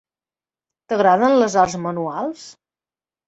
T'agraden les arts manuals?